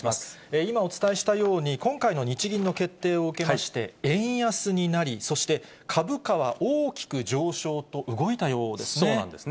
今お伝えしたように、今回の日銀の決定を受けまして、円安になり、そして株価は大きく上昇と、そうなんですね。